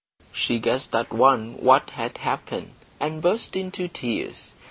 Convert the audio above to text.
She guessed at once what had happened, and burst into tears.